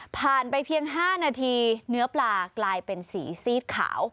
ไปเพียง๕นาทีเนื้อปลากลายเป็นสีซีดขาว